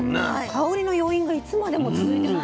香りの余韻がいつまでも続いてます。